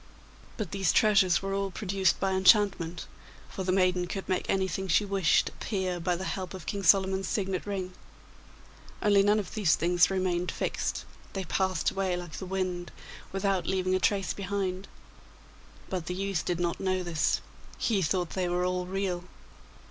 But these treasures were all produced by enchantment, for the maiden could make anything she wished appear by the help of King Solomon's signet ring; only none of these things remained fixed; they passed away like the wind without leaving a trace behind. But the youth did not know this; he thought they were all real.